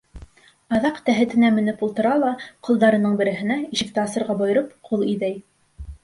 Аҙаҡ тәхетенә менеп ултыра ла ҡолдарының береһенә, ишекте асырға бойороп, ҡул иҙәй.